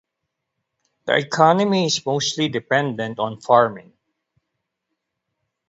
The economy is mostly dependent on farming.